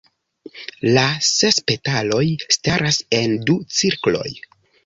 La ses petaloj staras en du cirkloj.